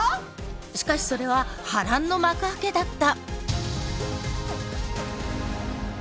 しかしそれは波乱の幕開けだった。